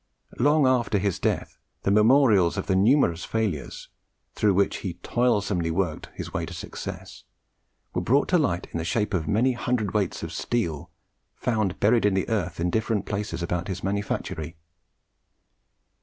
Long after his death, the memorials of the numerous failures through which he toilsomely worked his way to success, were brought to light in the shape of many hundredweights of steel, found buried in the earth in different places about his manufactory.